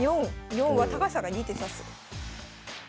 ４は高橋さんが２手指す。